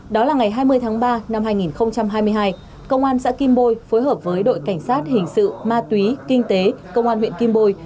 đó là ngày hai mươi tháng ba năm hai nghìn hai mươi hai công an xã kim bôi phối hợp với đội cảnh sát hình sự ma túy kinh tế công an huyện kim bôi